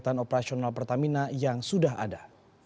kegiatan operasional pertamina yang sudah ada